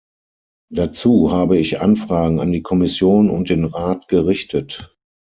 Dazu habe ich Anfragen an die Kommission und den Rat gerichtet.